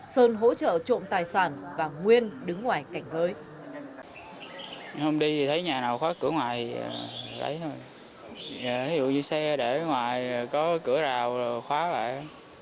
sơn hỗ trợ trộm tài sản và nguyên đứng ngoài cảnh giới